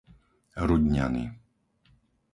Rudňany